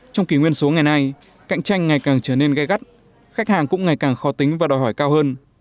trong kỷ nguyên số ngày nay cạnh tranh ngày càng trở nên gai gắt khách hàng cũng ngày càng khó tính và đòi hỏi cao hơn